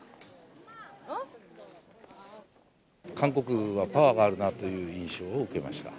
韓国はパワーがあるなという印象を受けました。